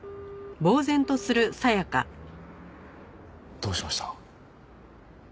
どうしました？